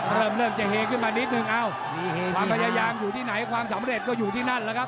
เริ่มเริ่มจะเฮขึ้นมานิดนึงเอ้าความพยายามอยู่ที่ไหนความสำเร็จก็อยู่ที่นั่นแล้วครับ